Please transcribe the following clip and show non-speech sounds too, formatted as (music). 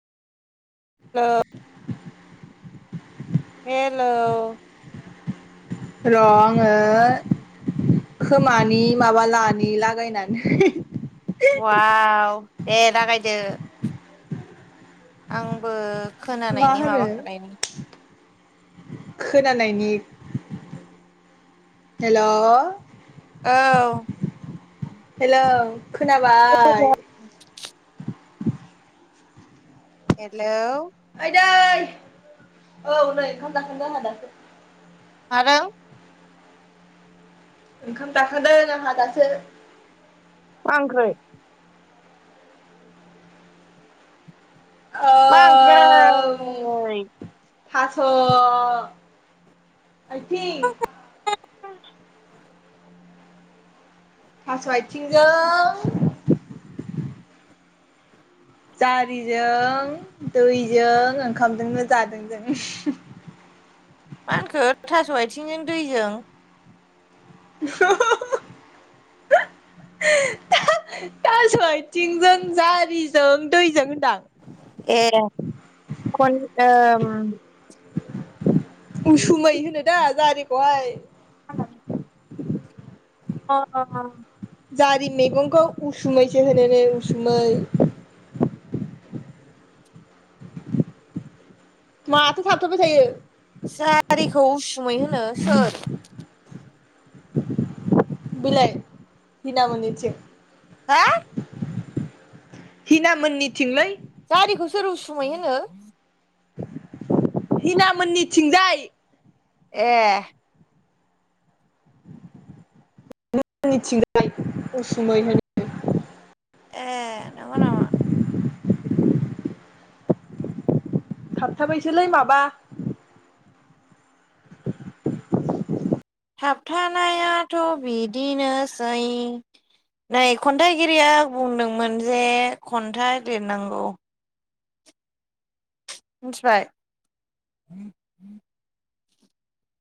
हेल' (inaudible) हेल' र' आङो खोमानि माबा लानि लागायनानै अवाव दे लागायदो। आंबो मा खोनानायनि होनो माबा खालायनि खोनानायनि हेल' औ हेल' खोनाबाय। हेलौ आइदै औ नै ओंखाम जाखांदों आंहा दासो। मादों? ओंखाम जाखांदों आंहा दासो। मा ओंख्रै? मा ओंख्रै? ओम थास' आइथिं थास' आइथिंजों (inaudible) जारिजों दैजों ओंखामजोंनो जादों जों। बिथिंजों दैजों थास' आथिंजों जारिजों दैजों होनदों। ए खन ओ उसुमै होनो दा जारिखौहाय (unintelligible) अ अ अ जारि मैगंखौ उसुमैसो होनोनो उसुमै। माथो थाबथ'बाय थायो। जारिखौ उसुमै होनो सोर बिलाय हिना मोननिथिं। हा? हिना मोननिथिंलै। जारिखौ सोर उसुमै होनो? हिना मोननिथिंजाय। ए (unintelligible) थिजाय उसुमै होनो ए नंगौ नामा? थाबथाबायसोलै माबा थाबथानायाथ' बिदिनोसै नै खन्थाइगिरिया बुंदोंमोन जे खन्थाइ लिरनांगौ। मिथिबाय।